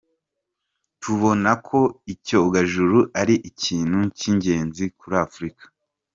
Tubona ko icyogajuru ari ikintu cy’ingenzi kuri Afurika.”